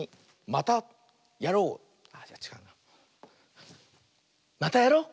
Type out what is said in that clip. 「またやろう！」。